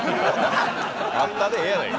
勝ったでええやないか。